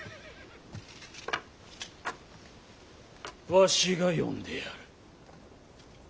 わしが読んでやる。